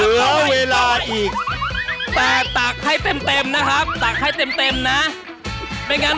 เรียนกระทงละนะฮะเอามาเพิ่มค่ะ